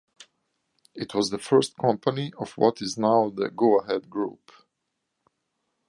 It was the first company of what is now the Go-Ahead Group.